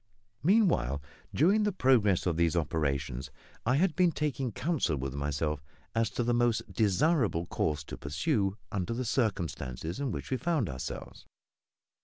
Meanwhile, during the progress of these operations I had been taking counsel with myself as to the most desirable course to pursue under the circumstances in which we found ourselves.